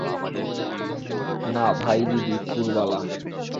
না ভাই দিদি– পুরবালা।